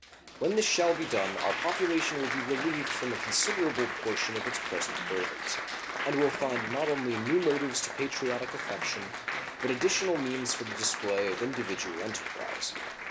When this shall be done our population will be relieved from a considerable portion of its present burthens, and will find not only new motives to patriotic affection, but additional means for the display of individual enterprise.